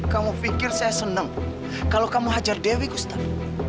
kamu pikir saya seneng kalau kamu hajar dewi gustaf